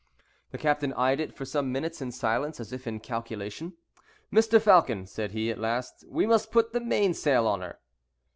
The captain eyed it for some minutes in silence, as if in calculation. "Mr. Falcon," said he, at last, "we must put the mainsail on her."